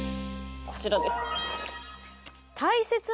こちらです。